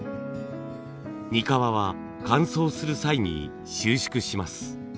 にかわは乾燥する際に収縮します。